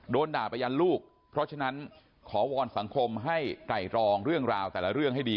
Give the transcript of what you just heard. โดนด่าไปยันลูกเพราะฉะนั้นขอวอนสังคมให้ไตรรองเรื่องราวแต่ละเรื่องให้ดี